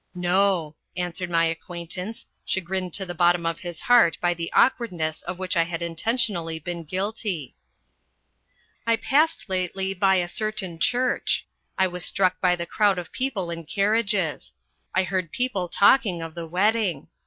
" No !" answered my acquaintance, chagrined to the bottom of his heart by the awkwardness of which I had intentionally been guilty. ... I passed lately by a certain church ; I was struck by the crowd of people in carriages. I heard people talking of the wedding.